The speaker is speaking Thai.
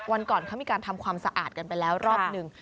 วันก่อนเขามีการทำความสะอาดกันไปแล้วรอบหนึ่ง